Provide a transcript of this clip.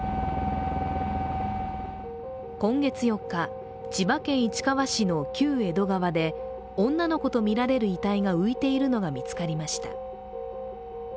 今月４日、千葉県市川市の旧江戸川区で女の子とみられる遺体が浮いているのが見つかりました。